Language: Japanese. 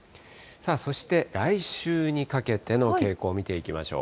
そして来週にかけての傾向を見ていきましょう。